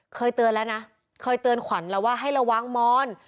เคยเตือนแล้วนะเคยเตือนขวัญแล้วว่าให้ระวังมอน